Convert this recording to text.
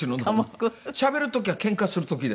しゃべる時はけんかする時です。